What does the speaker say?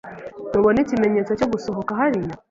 Ntubona ikimenyetso cyo gusohoka hariya?